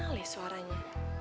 kenal ya suaranya